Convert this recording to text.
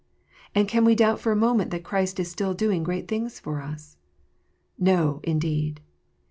And can we doubt for a moment that Christ is still doing great things for us? No, indeed